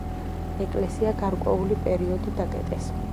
ეკლესია გარკვეული პერიოდი დაკეტეს.